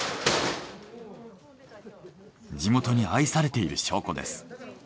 地元に愛されている証拠です。